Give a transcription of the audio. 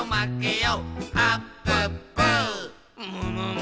「よ」。